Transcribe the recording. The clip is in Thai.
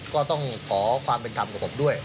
ก็ต้องขอความเป็นธรรมกับผมด้วย